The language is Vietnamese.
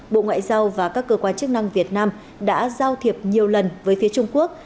bộ ngoại giao và các cơ quan chức năng việt nam đã giao thiệp nhiều lần với phía trung quốc